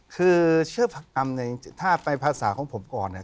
คือเชือกประกรรมเนี่ยถ้าไปภาษาของผมก่อนเนี่ย